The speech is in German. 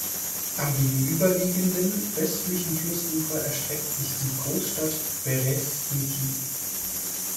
Am gegenüberliegenden, östlichen Flussufer erstreckt sich die Großstadt Beresniki.